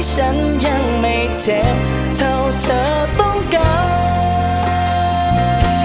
ฉันยังไม่เจ็บเท่าเธอต้องการ